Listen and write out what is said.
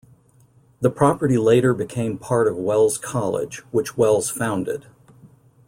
The property later became part of Wells College, which Wells founded.